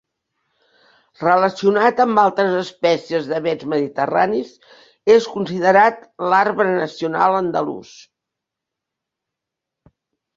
Relacionat amb altres espècies d'avets mediterranis, és considerat l'"arbre nacional andalús".